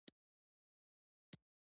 هندوکش د ځایي اقتصادونو یو بنسټ دی.